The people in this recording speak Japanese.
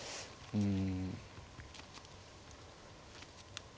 うん。